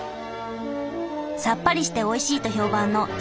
さっぱりしておいしいと評判の秩父の生乳。